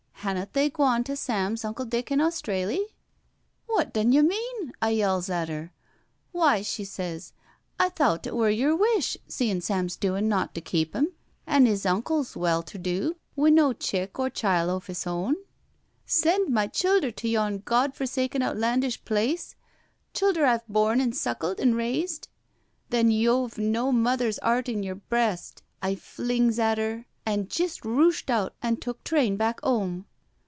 Hannot they gwon to Sam's Uncle Dick in Australy?' • Wot dun yo' mean?' I yells at 'er. ' Why?' she sez. ' I thowt it were your wish, seein' Sam's doin' naught to keep 'em, an' 'is uncle's well ter do wi' no chick or chile of's own.* ' Send my childher to yon Gawd for saken outlandish place, childher I've bom an' suckled an' raised — then yo've no mother's 'eart in yer breast,' I flings at 'er and jist rooshed out and took train back 'ome.